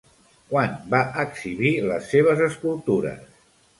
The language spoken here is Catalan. Quan va exhibir les seves escultures?